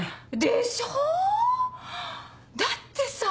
でしょう？だってさ